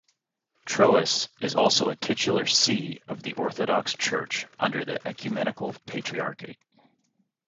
Troas is also a titular see of the Orthodox Church under the Ecumenical Patriarchate.